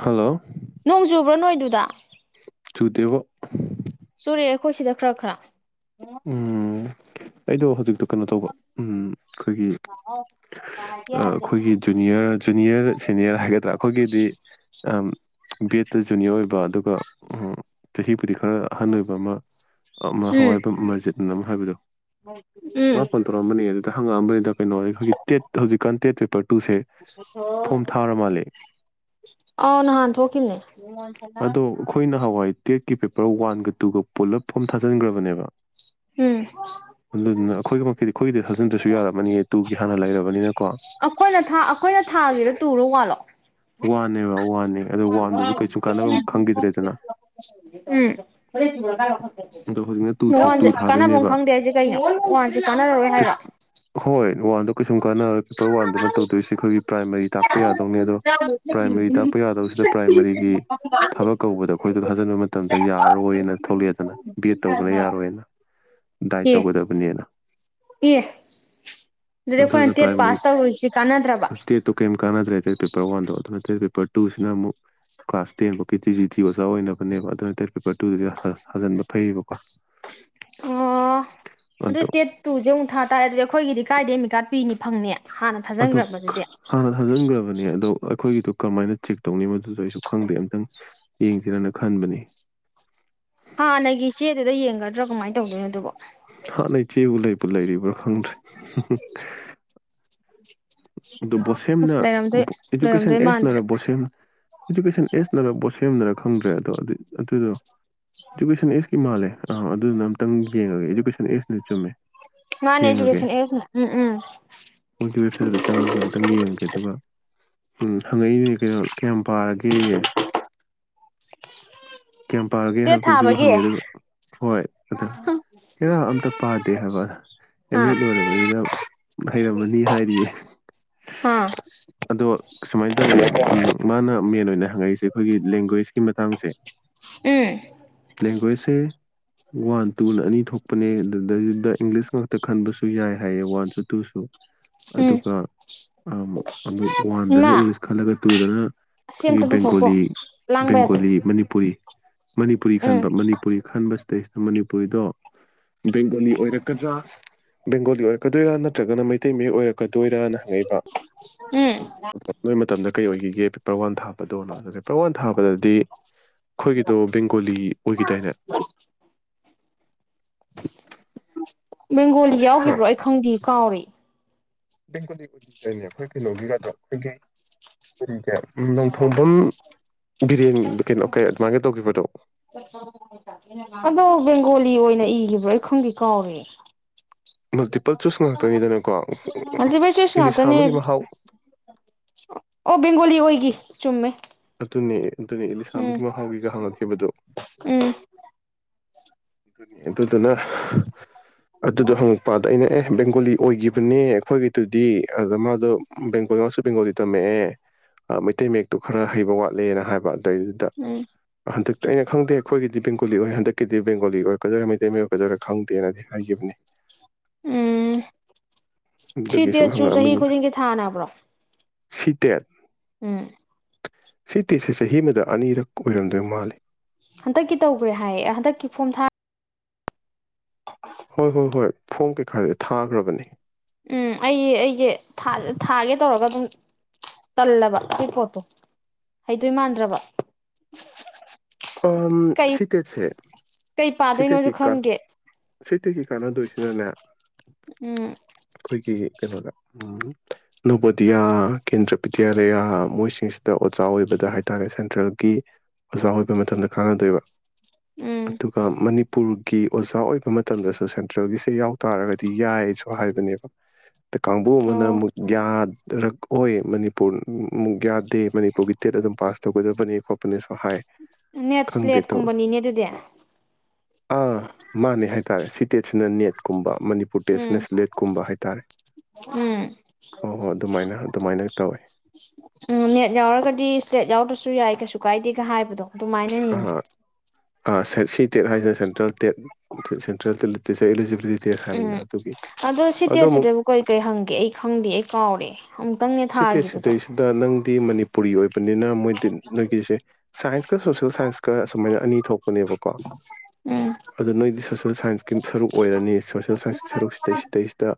hello ꯅꯣꯡ ꯆꯨꯕ꯭ꯔꯣ ꯅꯣꯏꯗꯨꯗ ꯆꯨꯇꯦꯕꯣ ꯆꯨꯔꯦ ꯑꯩꯈꯣꯏ ꯁꯤꯗ ꯈꯔ ꯈꯔ ꯎꯝ ꯑꯩꯗꯣ ꯍꯧꯖꯤꯛꯛꯇ ꯀꯩꯅꯣ ꯇꯧꯕ ꯑꯩꯈꯣꯏꯒꯤ ꯑꯩꯈꯣꯏꯒꯤ ꯖꯨꯅꯤꯌꯔ ꯖꯨꯅꯤꯌꯔ ꯁꯦꯅꯤꯌꯔ ꯍꯥꯏꯒꯗ꯭ꯔꯥ ꯑꯩꯈꯣꯏꯒꯤꯗꯤ ꯕꯤꯦꯠꯇ ꯖꯨꯅꯤꯌꯔ ꯑꯣꯏꯕ ꯑꯗꯨꯒ ꯆꯍꯤ ꯄꯔꯤ [unintelligible] [unintelligible] [unintelligible] ꯆꯦꯠꯅꯅꯕ ꯎꯝ ꯍꯥꯏꯕꯗꯣ ꯎꯝ ꯍꯪꯉꯛꯑꯝꯅꯤꯅ ꯀꯩꯅꯣ ꯑꯩꯈꯣꯏ ꯇꯦꯠ ꯍꯧꯖꯤꯛꯀꯥꯟ ꯇꯦꯠ ꯄꯦꯄꯔ ꯇꯨꯁꯦ ꯐꯣꯝ ꯊꯥꯔ ꯃꯥꯜꯂꯦ ꯑ ꯅꯍꯥꯥꯟꯊ ꯀꯅꯦ ꯑꯗꯣ ꯑꯩꯈꯣꯏꯅ ꯍꯋꯥꯏ ꯇꯦꯛꯀꯤ ꯄꯦꯄꯔ ꯋꯥꯟꯒ ꯇꯨꯒ ꯄꯨꯂꯞ ꯐꯣꯝ ꯊꯥꯖꯤꯟꯈ꯭ꯔꯕꯅꯦꯕ ꯎꯝ ꯑꯗꯨꯗꯨꯅ ꯑꯩꯈꯣꯏꯒꯤ ꯃꯤꯗꯤ ꯑꯩꯈꯣꯏꯒꯤꯗꯤ ꯊꯥꯖꯤꯤꯟꯗ꯭ꯔꯁꯨ ꯌꯥꯔꯃꯅꯤꯌꯦ ꯇꯨꯒꯤ ꯍꯥꯟꯅ ꯂꯩꯔꯕꯅꯤꯅꯀꯣ ꯑꯩꯈꯣꯏꯅ ꯊꯥ ꯑꯩꯈꯣꯏꯅ ꯊꯥꯒꯤꯔ ꯇꯨꯔ ꯋꯥꯟꯅꯦꯕ ꯋꯥꯦ ꯑꯗꯣ ꯍꯧꯖꯤꯛꯅ ꯇꯨ ꯊꯣꯛ ꯇꯨ [inaudible] ꯀꯥꯟꯐꯝ ꯊꯥꯗꯣꯏꯅꯦꯕ ꯈꯪꯗꯦ ꯑꯩꯁꯦ ꯀꯩꯅꯣ ꯋꯥꯟꯁꯦ ꯀꯥꯟꯅꯔꯔꯣꯏ ꯇ꯭ꯔꯤꯞ ꯍꯥꯏꯔ ꯍꯣꯏ ꯋꯥꯟꯗꯣ ꯀꯩꯁꯨꯝ ꯀꯥꯟꯅꯔꯣꯏ ꯄꯦꯄꯔ ꯋꯥꯟꯗꯨꯅ ꯇꯧꯗꯣꯏꯁꯦ ꯑꯩꯈꯣꯏꯒꯤ ꯄ꯭ꯔꯥꯏꯃꯥꯔꯤ ꯇꯥꯛꯄ ꯌꯥꯗꯧꯅꯤ ꯑꯗꯣ ꯄ꯭ꯔꯥꯏꯃꯔꯤ ꯇꯥꯛꯄ ꯌꯥꯗꯧꯁꯤꯗ ꯄ꯭ꯔꯥꯏꯃꯔꯤꯒꯤ ꯊꯕꯛ ꯀꯧꯕꯗ ꯑꯩꯈꯣꯏꯗꯣ ꯊꯥꯖꯤꯟꯕ ꯃꯇꯝꯗ ꯌꯥꯔꯣꯏꯅ ꯊꯣꯛꯂꯛꯑꯦꯗꯅ ꯕꯤ ꯑꯦꯗ ꯇꯧꯕꯅ ꯌꯥꯔꯣꯏꯅ ꯗꯥꯏꯠ ꯑꯦ ꯇꯧꯒꯗꯕꯅꯦꯅ ꯑꯦ ꯑꯗꯨꯗꯤ ꯑꯗꯨꯅ ꯑꯩꯈꯣꯏꯅ ꯇꯦꯠ ꯄ꯭ꯔꯥꯏꯃꯔꯤ ꯄꯥꯁ ꯇꯧꯔꯨꯏꯁꯤꯗꯤ ꯀꯥꯟꯅꯗ꯭ꯔꯕ ꯇꯦꯠꯇꯨ ꯀꯔꯤꯝ ꯀꯥꯟꯅꯗ꯭ꯔꯦ ꯄꯦꯄꯔ ꯋꯥꯟꯗꯣ ꯑꯗꯨ ꯇꯦꯠ ꯄꯦꯄꯔ ꯇꯨꯁꯤꯅ ꯑꯃꯨꯛ ꯀ꯭ꯂꯥꯁ ꯇꯦꯟꯐꯧꯀꯤ ꯇꯤ ꯖꯤ ꯇꯤ ꯑꯣꯖꯥ ꯑꯣꯏꯅꯕꯅꯦꯕ ꯑꯗꯨꯅ ꯇꯦꯠ ꯄꯦꯄꯔ ꯇꯨꯗꯗꯤ ꯁꯥꯖꯤꯟꯕ ꯐꯩꯌꯦꯕꯀꯣ ꯑꯣ ꯑꯗꯣ ꯑꯗꯨ ꯇꯦꯠ ꯇꯨꯁꯦ ꯑꯃꯨꯛ ꯊꯥ ꯇꯥꯔꯦ ꯑꯗꯨꯗꯤ ꯑꯩꯈꯣꯏꯒꯤꯗꯤ ꯀꯥꯏꯗꯦ ꯃꯤꯀꯥ ꯅꯨꯄꯤꯏꯅꯤ ꯐꯪꯅꯦ ꯑꯗꯨ ꯍꯅ ꯍꯖꯟꯒ ꯑꯗꯨ ꯑꯗꯣ ꯑꯩꯈꯣꯏꯒꯤꯗꯨꯣ ꯀꯃꯥꯏꯅ ꯆꯦꯛ ꯇꯧꯅꯤ ꯃ ꯑꯗꯨꯁꯨ ꯑꯩꯁꯨ ꯈꯪꯗꯦ ꯑꯝꯛꯇꯪ ꯌꯦꯡꯁꯤꯟꯅ ꯈꯟꯕꯅꯤ ꯍꯥꯟꯅꯒꯤ ꯏꯆꯦꯗꯨꯗ ꯌꯦꯡꯒꯗ꯭ꯔꯥ ꯀꯃꯥꯏꯅ ꯇꯧꯗꯣꯏꯅꯣ ꯑꯗꯨꯕꯣ ꯍꯥꯟꯅꯩ ꯏꯆꯦꯕꯨ ꯂꯩꯕꯨ ꯂꯩꯔꯤꯕ꯭ꯔꯥ ꯈꯪꯗ꯭ꯔꯦ ꯑꯗꯨ ꯑꯁ ꯕꯣꯁꯦꯝꯅ ꯂꯩꯔꯝꯗꯣꯏ ꯏꯗꯨꯀꯦꯁꯟ ꯂꯩꯔꯝꯗꯣꯏ ꯃꯥꯟꯗ꯭ꯔꯦ ꯑꯦꯖꯅꯔꯛ ꯁ ꯏꯗꯨꯀꯦꯁꯟ ꯑꯦꯖꯅꯔꯛ ꯁꯦꯝꯅꯔꯛ ꯈꯪꯗ꯭ꯔꯦ ꯑꯗꯣ ꯑꯗꯨ ꯑꯗꯨꯗꯣ ꯑꯦꯖꯨꯀꯦꯁꯟ ꯏꯁꯀꯤ ꯃꯥꯜꯦ ꯑꯥ ꯑꯗꯨ ꯅ ꯈꯤꯇꯪ ꯌꯦꯡꯉꯒꯦ ꯏꯗꯨꯀꯦꯁꯟ ꯑꯦꯖꯅ ꯆꯨꯝꯃꯦ ꯃꯥꯅꯦ ꯌꯦꯡꯉꯒꯦ ꯏꯖꯨꯀꯦꯁꯟ ꯑꯦꯖꯅꯦ ꯎꯝ ꯎꯝ ꯃꯣꯏꯒꯤ ꯋꯦꯕꯁꯥꯏꯠꯇ ꯑꯝꯇꯪ ꯌꯦꯡꯉꯒꯦ ꯑꯗꯨꯒ ꯎꯝ ꯍꯪꯉꯛꯏꯗꯨꯅꯦ ꯀꯩꯅꯣ ꯀꯌꯥꯝ ꯄꯥꯔꯒꯦ ꯀꯌꯥꯝ ꯄꯥꯔꯒꯦ ꯇꯦꯠ ꯍꯥꯏꯕꯗꯨꯁꯨ ꯊꯥꯕꯒꯤ ꯍꯪꯉꯦ ꯑꯗꯨ ꯍꯣꯏ ꯑꯗ ꯍꯦꯔ ꯑꯝꯇ ꯄꯥꯗꯦ ꯍꯥꯏꯕ ꯑꯦꯝ ꯑꯥ ꯑꯦꯗ ꯂꯣꯏꯔꯕꯅꯤꯅ ꯍꯩꯔꯝꯃꯅꯤ ꯍꯥꯏꯔꯤꯌꯦ ꯑꯥ ꯑꯗꯣ ꯁꯨꯃꯥꯏꯅ ꯇꯧꯋꯦ ꯎ ꯃꯥꯅ ꯃꯦꯟ ꯑꯣꯏꯅ ꯍꯪꯉꯛꯏ ꯑꯩꯈꯣꯏ ꯂꯦꯡꯒ꯭ꯋꯦꯁ ꯃꯇꯥꯡꯁꯦ ꯎꯝ ꯂꯦꯡꯒꯋꯦꯖꯦ ꯋꯥꯟ ꯇꯨꯅ ꯑꯅꯤ ꯊꯣꯛꯄꯅꯦ ꯑꯗꯨꯗꯩꯗꯨꯗ ꯏꯪꯂꯤꯁ ꯉꯥꯛꯇ ꯈꯟꯕꯁꯨ ꯌꯥꯏ ꯍꯥꯏꯌꯦ ꯋꯥꯟꯁꯨ ꯇꯨꯁꯨ ꯎꯝ ꯑꯗꯨꯒ ꯑꯃꯨꯛ ꯋꯥꯟꯗꯅ ꯏꯃꯥ ꯏꯪꯂꯤꯁ ꯈꯜꯂꯒ ꯇꯨꯗꯅ ꯑꯁꯤ ꯑꯩꯈꯣꯏꯒꯤ ꯑꯝꯇ ꯄꯨꯊꯣꯛꯈꯣ ꯕꯦꯡꯒꯣꯂꯤ ꯂꯥꯡꯕ ꯌꯥꯗꯦ ꯕꯦꯡꯒꯣꯂꯤ ꯃꯅꯤꯄꯨꯔꯤ ꯃꯅꯤꯄꯨꯔꯤ ꯎꯝ ꯈꯟꯕ ꯃꯅꯤꯄꯨꯔꯤ ꯈꯟꯕ ꯇꯁ ꯃꯅꯤꯄꯨꯔꯤꯗꯣ ꯕꯦꯡꯒꯣꯂꯤ ꯑꯣꯏꯔꯛꯀꯗ꯭ꯔꯥ ꯕꯦꯡꯒꯣꯂꯤ ꯑꯣꯏꯔꯛꯀꯗꯣꯏꯔꯥ ꯅꯠꯇ꯭ꯔꯒꯅ ꯃꯩꯇꯩ ꯃꯌꯦꯛ ꯑꯣꯏꯔꯛ ꯇꯣꯏꯔꯅ ꯍꯪꯉꯛꯏꯕ ꯎꯝ ꯃꯇꯝꯗ ꯀꯩ ꯑꯣꯏꯈꯤꯒꯦ ꯄꯦꯄꯔ ꯋꯥꯟ ꯊꯥꯕꯗꯣꯅꯣ ꯑꯗꯣ ꯄꯦꯄꯔ ꯋꯥꯟ ꯊꯥꯕꯗꯗꯤ ꯑꯩꯈꯣꯏꯒꯤꯗꯣ ꯕꯦꯡꯒꯣꯂꯤ ꯑꯣꯏꯈꯤꯗꯥꯏꯅꯦ ꯂꯧꯁꯤꯟꯕ ꯉꯝꯗꯕ ꯕꯦꯡꯒꯣꯂꯤ ꯍꯥ ꯌꯥꯎꯈꯤꯕ꯭ꯔꯣ ꯑꯩ ꯈꯪꯗꯦ ꯀꯥꯎꯔꯦ ꯕꯦꯡꯒꯣꯂꯤ ꯑꯣꯏꯗꯔꯤꯗꯥꯏꯅꯦ ꯑꯩꯈꯣꯏ ꯀꯩꯅꯣꯒꯤꯒꯥꯗꯣ ꯑꯩꯈꯣꯏꯒꯤ ꯀꯔꯤ ꯒ ꯀꯩꯅꯣ ꯀꯩ ꯑꯗꯨꯃꯥꯏꯅ ꯇꯧꯈꯤꯕꯗꯣ ꯑꯗꯣ ꯕꯦꯡꯒꯣꯂꯤ ꯑꯣꯏꯅ ꯏꯒꯤꯕ꯭ꯔꯣ ꯑꯩ ꯈꯪꯗꯦ ꯀꯥꯎꯔꯦ ꯃꯜꯇꯤꯄꯜ ꯆꯨꯁ ꯉꯥꯛ ꯇꯅꯤꯗꯅꯀꯣ ꯃꯜꯇꯤꯄꯜ ꯆꯨꯁ ꯉꯥꯛꯇꯅꯦ ꯑꯣ ꯕꯦꯡꯒꯣꯂꯤ ꯑꯣꯏꯒꯤ ꯆꯨꯝꯃꯦ ꯑꯗꯨꯅꯦ ꯑꯗꯨꯅꯦ ꯏꯂꯤꯁꯥ ꯎꯝ ꯑꯃꯒꯤ ꯃꯍꯥꯎꯒꯤꯒ ꯍꯪꯪꯉꯛꯈꯤꯕꯗꯣ ꯎꯝ ꯑꯗꯨꯅꯤ ꯑꯗꯨꯗꯨꯅ ꯑꯗꯨꯗꯣ ꯍꯪꯉꯛꯄ ꯑꯗ ꯑꯩꯅ ꯑꯦ ꯕꯦꯡꯒꯣꯂꯤ ꯑꯣꯏꯒꯤꯕꯅꯦ ꯑꯩꯈꯣꯏꯒꯤꯗꯨꯗꯤ ꯑꯗ ꯃꯥꯗꯣ ꯕꯦꯡꯒꯣꯂꯤ ꯃꯥꯁꯨ ꯕꯦꯡꯒꯣꯂꯤ ꯇꯝꯃꯛꯑꯦ ꯑ ꯃꯩꯇꯩ ꯃꯌꯦꯛꯇꯣ ꯈꯔ ꯍꯩꯕ ꯋꯥꯠꯂꯦꯅ ꯍꯥꯏꯕꯗ ꯑꯗꯨ ꯗꯩꯗꯨꯗ ꯎꯝ ꯍꯟꯗꯛꯇ ꯑꯩꯅ ꯈꯪꯗꯦ ꯑꯩꯈꯣꯏꯒꯤꯗꯤ ꯕꯦꯡ ꯒꯣꯂꯤ ꯑꯣꯏ ꯍꯟꯗꯀꯤꯗꯤ ꯕꯦꯡ ꯒꯣꯂꯤ ꯑꯣꯏꯔꯛꯀꯗꯣꯏꯔꯥ ꯃꯩꯇꯩ ꯃꯌꯦꯛ ꯑꯣꯏꯔꯛꯀꯗꯣꯏꯔꯥ ꯈꯪꯗꯦꯅꯗꯤ ꯍꯥꯏꯒꯤꯕꯅꯤ ꯎꯝ ꯁꯤ ꯑꯗꯨꯒꯤ ꯁꯨꯝ ꯇꯦꯠꯁꯨ ꯆꯍꯤ ꯍꯪꯉꯛꯑꯝꯃꯤꯅꯤꯗ ꯈꯨꯗꯤꯡꯒꯤ ꯊꯥꯅꯕ꯭ꯔꯣ ꯁꯤ ꯇꯦꯠ ꯎꯝ ꯁꯤ ꯇꯤꯠꯁꯦ ꯆꯍꯤ ꯑꯃꯗ ꯑꯅꯤꯔꯛ ꯑꯣꯏꯔꯝꯗꯣꯏ ꯃꯥꯜꯂꯤ ꯍꯟꯇꯛꯀꯤ ꯇꯧꯒ꯭ꯔꯦ ꯍꯥꯏꯌꯦ ꯍꯟꯇꯛꯀꯤ ꯐꯣꯝ ꯊꯥ ꯍꯣꯏ ꯍꯣꯏ ꯍꯣꯏ ꯐꯣꯝ ꯀꯩ ꯀꯥꯗꯤ ꯊꯥꯒ꯭ꯔꯕꯅꯤ ꯎꯝ ꯑꯩ ꯑꯩꯁꯦ ꯊꯥ ꯊꯥꯒꯦ ꯇꯧꯔꯒ ꯑꯗꯨꯝ ꯇꯜꯂꯕ ꯑꯗꯨꯏ ꯄꯣꯠꯇꯣ ꯍꯩꯗꯣꯏ ꯃꯥꯟꯗ꯭ꯔꯕ ꯑꯝ ꯀꯩ ꯁꯤ ꯇꯦꯠꯁꯦ ꯀꯩ ꯁꯤ ꯄꯥꯗꯣꯏꯅꯣꯁꯨ ꯇꯦꯠꯀꯤ ꯀꯥꯟ ꯈꯪꯗꯦ ꯁꯤ ꯇꯦꯠꯀꯤ ꯀꯥꯟꯅꯗꯣꯏꯁꯤꯅꯅꯦ ꯎꯝ ꯑꯩꯈꯣꯏꯒꯤ ꯀꯩꯅꯣꯗ ꯎꯝ ꯅꯣꯕꯣꯗꯤꯌꯥ ꯀꯦꯟꯗ꯭ꯔ ꯕꯤꯗ꯭ꯌꯥꯂꯌꯥ ꯃꯣꯏꯁꯤꯡꯁꯤꯗ ꯑꯣꯖꯥ ꯑꯣꯏꯕꯗ ꯍꯥꯏꯇꯥꯔꯦ ꯁꯦꯟꯇ꯭ꯔꯦꯜꯒꯤ ꯑꯣꯖꯥ ꯑꯣꯏ ꯑꯗꯨ ꯃꯇꯝꯗ ꯀꯥꯟꯅꯗꯣꯏꯕ ꯎꯝ ꯑꯗꯨꯒ ꯃꯅꯤ ꯄꯨꯔꯒꯤ ꯑꯣꯖꯥ ꯑꯣꯏꯕ ꯃꯇꯝꯗꯁꯨ ꯁꯦꯟꯇ꯭ꯔꯦꯜꯒꯤꯁꯦ ꯌꯥꯎ ꯇꯥꯔꯒꯗꯤ ꯌꯥꯏꯁꯨ ꯍꯥꯏꯕꯅꯦꯕ ꯑꯗ ꯀꯥꯡꯕꯨ ꯑꯣ ꯑꯃꯅ ꯑꯃꯨꯛ ꯌꯥ ꯔꯛꯑꯣꯏ ꯃꯅꯤꯄꯨꯔ ꯃꯨꯛ ꯌꯥꯗꯦ ꯃꯅꯤꯄꯨꯔꯒꯤ ꯇꯦꯠ ꯑꯗꯨꯝ ꯄꯥꯁ ꯇꯧꯒꯗꯕꯅꯤ ꯈꯣꯠꯄꯅꯤꯁꯨ ꯍꯥꯏ ꯈꯪꯗꯦ ꯅꯦꯠꯁ꯭ꯂꯦꯠꯀꯨꯝꯕꯅꯤꯅꯦ ꯑꯗꯨꯗꯤ ꯑ ꯃꯥꯅꯦ ꯍꯥꯏꯇꯥꯔꯦ ꯁꯤ ꯇꯦꯠꯁꯤꯅ ꯅꯦꯠꯀꯨꯝꯕ ꯃꯅꯤꯄꯨꯔ ꯎꯝ ꯇꯦꯁꯅꯦꯁ ꯂꯦꯠ ꯀꯨꯝꯕ ꯍꯥꯏꯇꯥꯔꯦ ꯎꯝ ꯍꯣ ꯍꯣ ꯑꯗꯨꯃꯥꯏꯅ ꯑꯗꯨꯃꯥꯏꯅ ꯇꯧꯋꯦ ꯎꯝ ꯅꯦꯠ ꯌꯥꯎꯔꯒꯗꯤ ꯁ꯭꯭ꯂꯦꯠ ꯌꯥꯎꯗ꯭ꯔꯁꯨ ꯌꯥꯏ ꯀꯩꯁꯨ ꯀꯥꯏꯗꯦꯒ ꯍꯥꯏꯕꯗꯣ ꯑꯗꯨꯃꯥꯏꯅꯅꯤꯅꯦ ꯑꯥ ꯁꯤ ꯇꯦꯠ ꯍꯥꯏꯁꯤꯅ ꯁꯦꯟꯇ꯭ꯔꯦꯜ ꯇꯦꯠ ꯁꯦꯟꯇ꯭ꯔꯦꯜ ꯇꯦꯠꯇ ꯑꯦꯂꯤꯖꯤꯕꯤꯂꯤꯇꯤ ꯎꯝ ꯑꯗꯣ ꯁꯤꯇꯦ ꯁꯤꯗꯕꯨ ꯀꯩ ꯀꯩ ꯍꯪꯒꯦ ꯑꯩ ꯈꯪꯗꯦ ꯑꯩ ꯀꯥꯎꯔꯦ ꯑꯃꯨꯛꯇꯪꯅꯦ ꯁꯤꯗꯩ ꯊꯥꯈꯤꯕꯗꯣ ꯁꯤꯗꯩꯁꯤꯗ ꯅꯪ ꯃꯅꯤꯄꯨꯔꯤ ꯑꯣꯏꯕꯅꯤꯅ ꯃꯣꯏ ꯅꯣꯏꯒꯤꯁꯦꯀ ꯁꯣꯁꯦꯜ ꯁꯥꯏꯟꯁꯀ ꯑꯁꯨꯃꯥꯏꯅ ꯑꯅꯤ ꯊꯣꯛꯄꯅꯦꯕꯀꯣ ꯎꯝ ꯑꯣ ꯅꯣꯏꯗꯤ ꯁꯣꯁꯦꯜ ꯁꯥꯏꯟꯁꯀꯤ ꯁꯔꯨꯛ ꯑꯣꯏꯔꯅꯤ ꯁꯣꯁꯦꯜ ꯁꯥꯏꯟꯁꯀꯤ ꯁꯔꯨꯛꯁꯤꯗꯩꯁꯤꯗꯩꯁꯤꯗ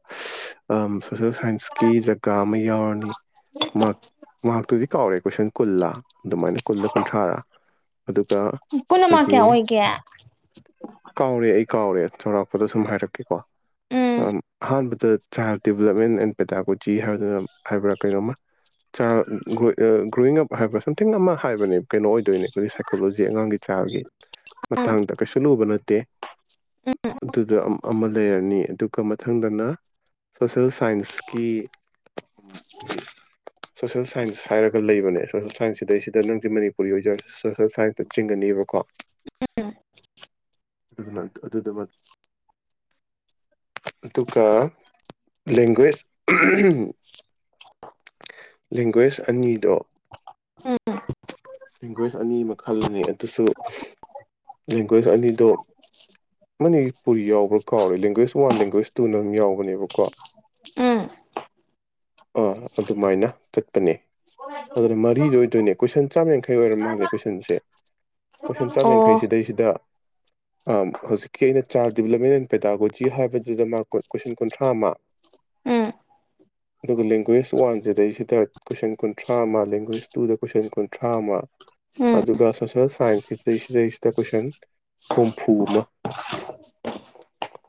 ꯁꯣꯁꯦꯜ ꯁꯥꯏꯟꯁꯀꯤꯤ ꯖꯒꯥ ꯑꯃ ꯌꯥꯎꯔꯅꯤ ꯃꯍꯥꯛ ꯃꯍꯥꯛꯇꯨꯗꯤ ꯀꯥꯎꯔꯦ ꯀꯣꯏꯁꯟ ꯀꯨꯜꯂꯥ ꯑꯗꯨꯃꯥꯏꯅ ꯀꯨꯜꯂ ꯀꯨꯟꯊ꯭ꯔꯥꯔ ꯑꯗꯨꯒ ꯄꯨꯟꯅ ꯃꯥꯔꯛ ꯑꯩꯈꯣꯏꯒꯤ ꯀꯌꯥ ꯑꯣꯏꯒꯦ ꯀꯥꯎꯔꯦ ꯑꯩ ꯑꯩ ꯀꯥꯎꯔꯦ ꯆꯥꯎꯔꯥꯛꯄꯗ ꯁꯨꯝ ꯍꯥꯏꯔꯛꯀꯦꯀꯣ ꯎꯝ ꯑ ꯍꯥꯟ the child development and pedagogy ꯍꯥꯏꯗꯨꯅ ꯍꯥꯏꯕ꯭ꯔꯥ ꯀꯩꯅꯣꯃ ꯆꯥꯏ ꯒ꯭ꯔꯣꯋꯤꯡ ꯑꯞ ꯍꯥꯏꯕ꯭ꯔꯥ ꯁꯝꯊꯤꯡ ꯑꯃ ꯍꯥꯏꯕꯅꯤ ꯀꯩꯅꯣ ꯑꯣꯏꯗꯣꯏꯅꯦ ꯑꯩꯈꯣꯏꯒꯤ ꯁꯥꯏꯀꯣꯂꯣꯖꯤ ꯑꯉꯥꯡꯒꯤ ꯆꯥꯏꯜꯒꯤ ꯎꯝ ꯃꯇꯥꯡꯗ ꯀꯩꯁꯨ ꯂꯨꯕ ꯅ ꯇꯩ ꯑꯗꯨꯒꯥ ꯑꯃ ꯂꯩꯔꯅꯤ ꯑꯗꯨꯒ ꯃꯊꯪꯗꯅ ꯁꯣꯁꯦꯜ ꯁꯥꯏꯟꯁꯀꯤ ꯁꯣꯁꯦꯜ ꯁꯥꯏꯟꯁ ꯍꯥꯏꯔꯒ ꯂꯩꯕꯅꯦ ꯁꯣꯁꯦꯜ ꯁꯥꯏꯟꯁ ꯁꯤꯗꯩꯁꯤꯗ ꯅꯪꯁꯦ ꯃꯅꯤꯄꯨꯔꯤ ꯑꯣꯏꯖꯔꯁꯤ ꯁꯣꯁꯦꯜ ꯁꯥꯏꯟꯁꯇ ꯆꯤꯡꯒꯅꯦꯕꯀꯣ ꯎꯝ ꯑꯗꯨꯗꯨꯃꯛ ꯑꯗꯨꯒ ꯂꯦꯡꯒ꯭ꯋꯦꯖ ꯂꯦꯡꯒ꯭ꯋꯦꯁ ꯑꯅꯤꯗꯣ ꯎꯝ ꯂꯦꯡꯒ꯭ꯋꯦꯖ ꯑꯅꯤ ꯑꯃ ꯈꯜꯂꯅꯤ ꯑꯗꯨꯁꯨ ꯂꯦꯡꯒ꯭ꯋꯦꯖ ꯑꯅꯤꯗꯣ ꯃꯅꯤꯄꯨꯔꯤ ꯌꯥꯎꯕ꯭ꯔꯥ ꯀꯥꯎꯔꯦ ꯂꯦꯡꯒ꯭ꯋꯦꯖ ꯋꯥꯟ ꯂꯦꯡꯒ꯭ꯋꯦꯖ ꯇꯨꯅ ꯑꯃ ꯌꯥꯎꯕꯅꯦꯕꯀꯣ ꯎꯝ ꯥ ꯑꯗꯨꯃꯥꯏꯅ ꯆꯠꯄꯅꯦ ꯑꯗꯨꯅ ꯃꯔꯤꯗꯣ ꯑꯣꯏꯗꯣꯏꯅꯦ ꯀꯣꯏꯁꯟ ꯆꯥꯝꯃ ꯌꯥꯡꯈꯩ ꯑꯣꯏꯔꯝ ꯃꯥꯜꯂꯦ ꯀꯣꯏꯁꯟꯁꯦ ꯀꯣꯏꯁꯟ ꯆꯥꯝꯌꯥꯡꯈꯩ ꯑꯣ ꯁꯤꯗꯩꯁꯤꯗ ꯍꯧꯖꯤꯛꯀꯤ ꯑꯩꯅ ꯆꯥꯏꯜ ꯗꯤꯕꯂꯞꯃꯦꯟ ꯑꯦꯟ ꯄꯦꯇꯥꯒꯣꯖꯤ ꯍꯥꯏꯕꯗꯨꯗ ꯃꯥ ꯀꯣꯏꯁꯟ ꯀꯨꯟꯊ꯭ꯔꯥ ꯑꯃ ꯎꯝ ꯑꯗꯨꯒ ꯂꯦꯡꯒ꯭ꯋꯦꯖ ꯋꯥꯟꯁꯤꯗꯩꯁꯤꯗ ꯀꯣꯏꯁꯟ ꯀꯨꯟꯊ꯭ꯔꯥ ꯑꯃ ꯂꯦꯡꯒꯋꯦꯖ ꯇꯨꯗ ꯀꯣꯏꯁꯟ ꯀꯨꯟꯊ꯭ꯔꯥ ꯑꯃ ꯎꯝ ꯑꯗꯨꯒ ꯁꯣꯁꯦꯜ ꯁꯥꯏꯟꯁꯁꯤꯗꯩꯁꯤꯗꯩꯁꯤꯗ ꯀꯣꯏꯁꯟ ꯍꯨꯝꯐꯨ ꯑꯃ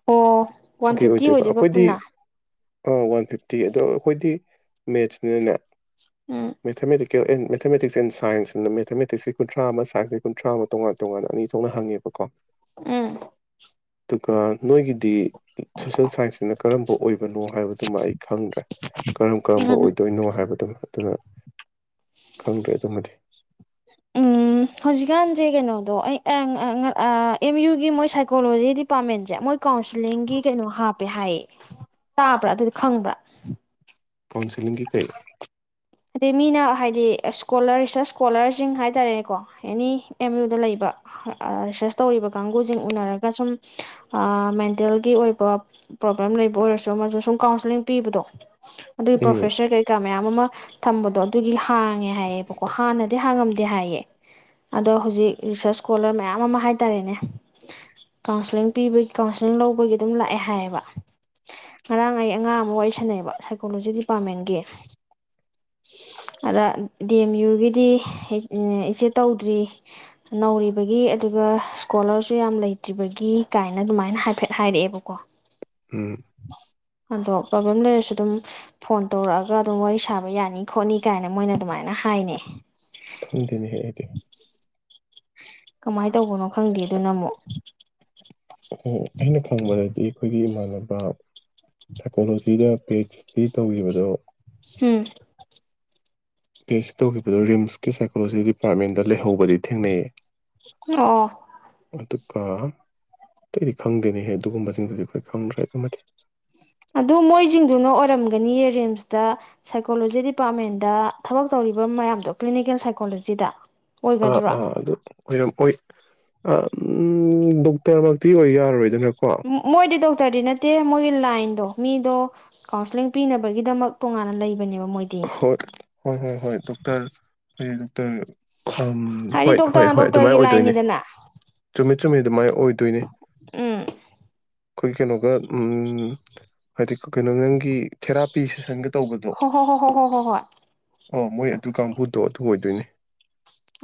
ꯑꯣ ꯁꯤ ꯋꯥꯟ ꯀꯩ ꯐꯤꯐꯇꯤ ꯑꯣꯏꯗꯣꯏꯕ ꯑꯩꯈꯣꯏꯗꯤ ꯄꯨꯟꯅ ꯑ ꯋꯥꯟ ꯐꯤꯐꯇꯤ ꯇꯤ ꯑꯗꯣ ꯑꯩꯈꯣꯏꯗꯤ ꯃꯦꯠꯁꯅꯤꯅꯅꯦ ꯎꯝ ꯃꯊꯃꯦꯔꯤ ꯑꯦꯟ ꯃꯦꯊꯃꯦꯇꯤꯛꯁ ꯑꯦꯟ ꯁꯥꯏꯟꯁꯅ ꯃꯦꯊꯃꯦꯇꯤꯛꯁꯀꯤ ꯀꯨꯟꯊ꯭ꯔꯥ ꯑꯃ ꯁꯥꯏꯟꯁꯀꯤ ꯀꯨꯟꯊ꯭ꯔꯥ ꯑꯃ ꯇꯣꯉꯥꯟ ꯇꯣꯉꯥꯟꯅ ꯑꯅꯤ ꯊꯣꯛꯅ ꯍꯪꯉꯦꯕꯀꯣ ꯎꯝ ꯑꯗꯨꯒ ꯅꯣꯏꯒꯤꯗꯤ ꯁꯣꯁꯦꯜ ꯁꯥꯏꯟꯁꯁꯤꯅ ꯀꯔꯝꯕ ꯑꯣꯏꯕꯅꯣ ꯍꯥꯏꯕꯗꯨꯃ ꯑꯩ ꯈꯪꯗ꯭ꯔꯦ ꯀꯔꯝ ꯀꯔꯝꯕ ꯎꯝ ꯑꯣꯏꯗꯣꯏꯅꯣ ꯍꯥꯏꯕꯗꯨꯅꯣ ꯑꯗꯨꯅ ꯈꯪꯗ꯭ꯔꯦ ꯑꯗꯨꯃꯗꯤ ꯎꯝ ꯍꯧꯖꯤꯛꯀꯥꯟꯁꯦ ꯀꯩꯅꯣꯗꯣ ꯑꯩ ꯑꯦꯝ ꯌꯨꯒꯤ ꯃꯣꯏ ꯁꯥꯏꯀꯣꯂꯣꯖꯤ ꯗꯤꯄꯥꯔꯠꯃꯦꯟꯁꯦ ꯃꯣꯏ ꯀꯥꯎꯟꯁꯤꯂꯤꯡꯒꯤ ꯀꯩꯅꯣ ꯍꯥꯞꯄꯦ ꯍꯥꯏꯌꯦ ꯇꯥꯕ꯭ꯔꯥ ꯑꯗꯨꯗꯤ ꯈꯪꯕ꯭ꯔꯥ ꯀꯥꯎꯟꯁꯤꯂꯤꯡꯒꯤ ꯀꯔꯤ ꯑꯗꯩ ꯃꯤꯅ ꯍꯥꯏꯗꯤ ꯏꯁꯀꯣꯂꯔ ꯔꯤꯁꯔꯁ ꯏꯁꯀꯣꯂꯔꯁꯤꯡ ꯍꯥꯏ ꯇꯥꯔꯦꯅꯦꯀꯣ ꯑꯦꯅꯤ ꯑꯦꯝ ꯌꯨꯗ ꯂꯩꯕ ꯔꯤꯁꯔꯁ ꯇꯧꯔꯤꯕ ꯀꯥꯡꯕꯨꯁꯤꯡ ꯎꯅꯔꯒ ꯁꯨꯝ ꯃꯦꯟꯇꯦꯜꯒꯤ ꯑꯣꯏꯕ ꯄ꯭ꯔꯣꯕ꯭ꯂꯦꯝ ꯂꯩꯕ ꯑꯣꯏꯔꯁꯨ ꯑꯃꯁ ꯁꯨꯝ ꯀꯥꯎꯟꯁꯤꯂꯤꯡ ꯄꯤꯕꯗꯣ ꯑꯗꯨꯒꯤ ꯎꯝ ꯄ꯭ꯔꯣꯐꯦꯁꯔ ꯀꯩꯀꯥ ꯃꯌꯥꯝ ꯑꯃ ꯊꯝꯕꯗꯣ ꯑꯗꯨꯒꯤ ꯍꯥꯡꯉꯦ ꯍꯥꯏꯌꯦꯕꯀꯣ ꯍꯥꯟꯅꯗꯤ ꯗꯤ ꯍꯥꯡꯉꯝꯗꯦ ꯍꯥꯏꯌꯦ ꯑꯗꯣ ꯍꯧꯖꯤꯛ ꯔꯤꯁꯔꯁ ꯏꯁꯀꯣꯂꯔ ꯃꯌꯥꯝ ꯑꯃ ꯍꯥꯏꯇꯥꯔꯦꯅꯦ ꯀꯥꯎꯟꯁꯤꯂꯤꯡ ꯄꯤꯕꯒꯤ ꯀꯥꯎꯟꯁꯤꯂꯤꯡ ꯂꯧꯕꯒꯤ ꯑꯗꯨꯝ ꯂꯥꯛꯑꯦ ꯍꯥꯏꯌꯦꯕ ꯉꯔꯥꯡ ꯑꯩ ꯑꯉꯥꯡ ꯑꯃ ꯋꯥꯔꯤ ꯁꯥꯟꯅꯩꯑꯕ ꯁꯥꯏꯀꯣꯂꯣꯖꯤ ꯗꯤꯄꯥꯔꯠꯃꯦꯟꯒꯤ ꯑꯗ ꯗꯤ ꯑꯦꯝ ꯌꯨꯒꯤꯗꯤ ꯏꯆꯦ ꯇꯧꯗ꯭ꯔꯤ ꯅꯧꯔꯤꯕꯒꯤ ꯑꯗꯨꯒ ꯏꯁꯀꯣꯂꯔꯁꯨ ꯌꯥꯝ ꯂꯩꯇ꯭ꯔꯤꯕꯒꯤ ꯀꯥꯏꯅ ꯑꯗꯨꯃꯥꯏꯅ ꯍꯥꯏꯐꯦꯠ ꯍꯥꯏꯔꯛꯑꯦꯕꯀꯣ ꯎꯝ ꯑꯗꯣ ꯄ꯭ꯔꯣꯕ꯭ꯂꯦꯝ ꯂꯩꯔꯁꯨ ꯑꯗꯨꯝ ꯐꯣꯟ ꯇꯧꯔꯛꯑꯒ ꯑꯗꯨꯝ ꯋꯥꯔꯤ ꯁꯥꯕ ꯌꯥꯅꯤ ꯈꯣꯠꯅꯤ ꯀꯥꯏꯅ ꯃꯣꯏꯅ ꯑꯗꯨꯃꯥꯏꯅ ꯍꯥꯏꯅꯩ ꯊꯪꯗꯦꯅꯦ ꯍꯦꯛ ꯍꯗꯤ ꯀꯃꯥꯏꯅ ꯇꯧꯕꯅꯣ ꯈꯪꯗꯦ ꯑꯗꯨꯅ ꯑꯃꯨꯛ ꯑꯣ ꯑꯩꯅ ꯐꯪꯕꯗꯗꯤ ꯑꯩꯈꯣꯏꯒꯤ ꯏꯃꯥꯟꯅꯕ ꯁꯥꯏꯀꯣꯂꯣꯖꯤꯗ ꯄꯤ ꯑꯩꯆ ꯇꯧꯈꯤꯕꯗꯣ ꯎꯝ ꯇꯦꯁ ꯁꯤ ꯇꯧꯈꯤꯕꯗꯨ ꯔꯤꯝꯁꯀꯤ ꯁꯥꯏꯀꯣꯂꯣꯖꯤ ꯗꯤꯄꯥꯔꯠꯃꯦꯟꯗ ꯂꯩꯍꯧꯕꯗꯤ ꯊꯦꯡꯅꯩꯌꯦ ꯑꯣ ꯑꯗꯨꯒ ꯑꯇꯩꯗꯤ ꯈꯪꯗꯦꯅꯦꯍꯦ ꯑꯗꯨꯒꯨꯝꯕꯁꯤꯡꯗꯨꯗꯤ ꯑꯩꯈꯣꯏ ꯈꯪꯗ꯭ꯔꯦ [unintelligible] ꯑꯗꯨ ꯃꯣꯏꯁꯤꯡꯗꯨꯅ ꯑꯣꯏꯔꯝꯒꯅꯤꯌꯦ ꯔꯤꯝꯁꯇ ꯁꯥꯏꯀꯣꯂꯣꯖꯤ ꯗꯤꯄꯥꯔꯠꯃꯦꯟꯗ ꯊꯕꯛ ꯇꯧꯔꯤꯕ ꯃꯌꯥꯝꯗꯣ ꯀ꯭ꯂꯤꯅꯤꯀꯦꯜ ꯁꯥꯏꯀꯣꯂꯣꯖꯤꯗ ꯑꯥ ꯑꯣꯏꯒꯗ꯭ꯔꯣ ꯑꯥ ꯑꯗꯨ ꯑꯣꯏꯔꯝꯑꯣ ꯑꯣꯏ ꯎꯝ ꯗꯣꯛꯇꯔꯃꯛꯇꯤ ꯑꯣꯏ ꯌꯥꯔꯔꯣꯏꯗꯅꯦ ꯃꯣꯏꯗꯤꯗ ꯗꯥꯛꯇꯔꯗꯤ ꯅꯠꯇꯦ ꯃꯣꯏꯒꯤ ꯂꯥꯏꯟꯗꯣ ꯃꯤꯗꯣ ꯀꯥꯎꯟꯁꯂꯤꯡ ꯄꯤꯅꯕꯒꯤꯗꯃꯛ ꯇꯣꯉꯥꯟꯅ ꯂꯩꯕ ꯍꯣꯏ ꯍꯣꯏ ꯍꯣꯏ ꯍꯣꯏ ꯗꯣꯛꯇꯔ ꯍꯇ ꯎꯝ ꯍꯥꯏꯗꯤ ꯍꯣꯏ ꯍꯣꯏ ꯗꯣꯛꯇꯔꯅ ꯍꯣꯏ ꯑꯗꯨꯃꯥꯏꯅ ꯗꯣꯛꯇꯔꯒꯤ ꯂꯥꯏꯟꯅꯤꯗꯅ ꯑꯣꯏꯗꯣꯏꯅꯦꯃꯤꯠ ꯆꯗꯨ ꯃꯥ ꯑꯣꯏꯗꯣꯏꯅꯦ ꯎꯝ ꯑꯩꯈꯣꯏ ꯀꯩꯅꯣꯒ ꯍꯥꯏꯗꯤ ꯀꯩꯅꯣ ꯅꯪꯒꯤ ꯊꯦꯔꯥ ꯄꯤꯁ ꯁꯁꯤꯡꯒꯠ ꯍ ꯍꯣ ꯍ ꯍꯣ ꯍꯏ ꯍꯣꯏ ꯍꯣꯏ ꯑ ꯃꯣꯏ ꯑꯗꯨ ꯀꯥꯡꯕꯨꯗꯣ ꯑꯗꯨ ꯑꯣꯏꯗꯣꯏꯅꯦ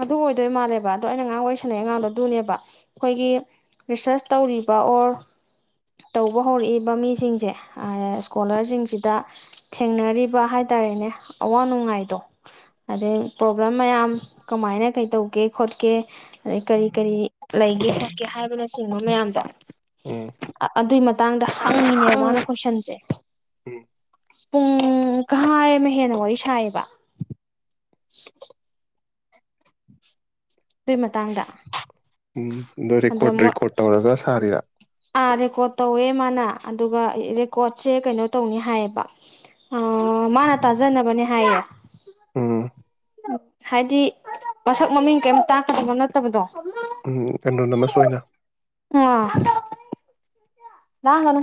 ꯑꯗꯨ ꯑꯣꯏꯗꯣꯏ ꯃꯥꯜꯂꯦꯕ ꯑꯗꯣ ꯑꯩꯅ ꯑꯉꯥꯡ ꯋꯥꯔꯤꯁꯂꯛꯏ ꯑꯉꯥꯡꯗꯣ ꯑꯗꯨꯅꯦꯕ ꯑꯩꯈꯣꯏꯒꯤ ꯔꯤꯁꯔꯁ ꯇꯧꯔꯤꯕ ꯑꯣꯔ ꯇꯧꯕ ꯍꯧꯔꯛꯏꯕ ꯃꯤꯁꯤꯡꯁꯦ ꯏꯁꯀꯣꯂꯔꯁꯤꯡꯁꯤꯗ ꯊꯦꯡꯅꯔꯤꯕ ꯍꯥꯏ ꯇꯥꯔꯦꯅꯦ ꯑꯋꯥ ꯅꯨꯡꯉꯥꯏꯗꯣ ꯑꯗꯩ ꯄ꯭ꯔꯣꯕ꯭ꯂꯦꯝ ꯃꯌꯥꯝ ꯀꯃꯥꯏꯅ ꯀꯩ ꯇꯧꯒꯦ ꯈꯣꯠꯀꯦ ꯑꯗꯩ ꯀꯔꯤ ꯀꯔꯤ ꯂꯩꯒꯦ ꯈꯣꯠꯀꯦ ꯍꯥꯏꯕꯅꯆꯤꯡꯕ ꯃꯌꯥꯝꯗꯣ ꯎꯝ ꯑꯗꯨꯏ ꯃꯇꯥꯡꯗ ꯍꯪꯉꯤꯅꯦꯕ ꯃꯥꯅ ꯀꯣꯏꯁꯟꯁꯦ ꯎꯝ ꯄꯨꯡ ꯀꯥꯏ ꯑꯃ ꯍꯦꯟꯅ ꯋꯥꯔꯤ ꯁꯥꯏꯌꯦꯕ [unintelligible] ꯑꯗꯨꯏ ꯃꯇꯥꯡꯗ ꯎꯝ ꯑꯗꯣ ꯑꯗꯨꯗ ꯔꯦꯀꯣꯔꯠ ꯃꯣꯏ ꯔꯦꯀꯣꯔꯠ ꯇꯧꯔꯒ ꯁꯥꯔꯤꯔ ꯑꯥ ꯔꯦꯀꯣꯔꯠ ꯇꯧꯋꯦ ꯃꯥꯅ ꯑꯗꯨꯒ ꯔꯦꯀꯣꯔꯠꯁꯦ ꯀꯩꯅꯣ ꯇꯧꯅꯤ ꯍꯥꯏꯌꯦꯕ ꯃꯥꯅ ꯇꯥꯖꯅꯕꯅꯦ ꯍꯥꯏꯌꯦ ꯎꯝ ꯍꯥꯏꯗꯤ ꯃꯁꯛ ꯃꯃꯤꯡ ꯀꯩꯝ ꯇꯥꯛꯀꯗꯕ ꯅꯠꯇꯕꯗꯣ ꯎꯝ ꯀꯩꯅꯣ ꯅꯃꯁ ꯑꯣꯏꯅ ꯂꯒꯅꯣ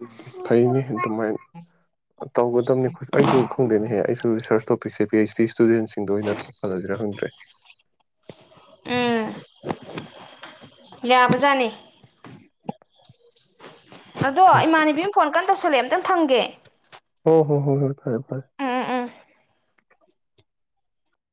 ꯎꯝ ꯐꯩꯅꯦ ꯑꯗꯨꯃꯥꯏꯅ ꯇꯧꯒꯗꯕꯅꯤ ꯑꯩꯁꯨ ꯈꯪꯗꯦꯅꯦꯍꯦ ꯑꯩꯁꯨ ꯔꯤꯁꯥꯔꯁ ꯇꯣꯄꯤꯛꯁꯦ ꯄꯦꯁꯇ ꯏꯁꯇꯨꯗꯦꯟꯁꯤꯡꯗ ꯑꯣꯏꯅ ꯐꯅꯖꯔ ꯍꯪꯗ꯭ꯔꯦ ꯂꯦꯕꯖꯥꯅꯤ ꯑꯗꯣ ꯄꯤ ꯑꯩꯆ ꯗꯤ ꯏꯃꯥꯟꯅꯕꯤ ꯑꯃ ꯐꯣꯟ ꯀ ꯇꯧꯁꯜꯂꯦ ꯑꯃꯇꯪ ꯊꯝꯒꯦ ꯑꯣ ꯍꯣ ꯍꯣ ꯍꯣꯏ ꯐꯔ ꯍꯣꯏ ꯎꯝ ꯎꯝ ꯎꯝ